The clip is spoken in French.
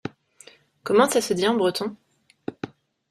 Comment ça se dit en breton ?